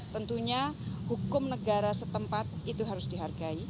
tentunya hukum negara setempat itu harus dihargai